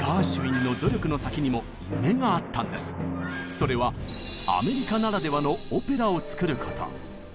それはアメリカならではのオペラを作ること。